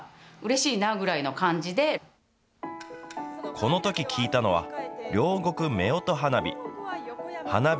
このとき聴いたのは、両国夫婦花火。